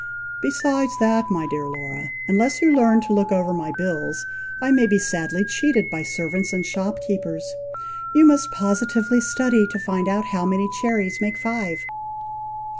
"Besides that, my dear Laura! unless you learn to look over my bills, I may be sadly cheated by servants and shop keepers. You must positively study to find out how many cherries make five."